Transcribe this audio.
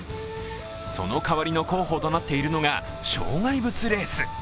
その代わりの候補となっているのが障害物レース。